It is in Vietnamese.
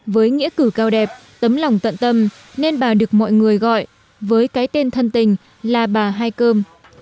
với nghĩa cử cao đẹp tấm lòng tận tâm nên bà được mọi người gọi với cái tên thân tình là bà hai cơm